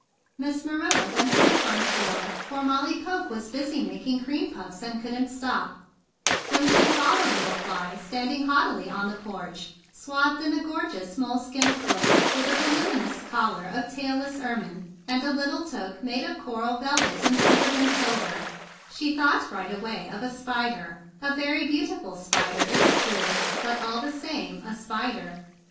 Miss Marilla herself went to the front door, for Molly Poke was busy making cream puffs and couldn't stop; and, when she saw the little fly standing haughtily on the porch, swathed in a gorgeous moleskin cloak with a volu¬ minous collar of tailless ermine, and a little toque made of coral velvet em¬ broidered in silver, she thought right away of a spider. A very beautiful 160 THE BIG BLUE SOLDIER spider, it is true, but all the same a spider.